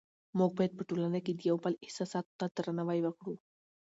موږ باید په ټولنه کې د یو بل احساساتو ته درناوی وکړو